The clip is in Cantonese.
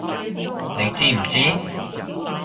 你知唔知！